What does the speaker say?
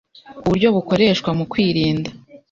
uburyo bukoreshwa mu kwirinda